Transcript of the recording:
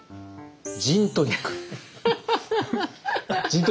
ジントニックね。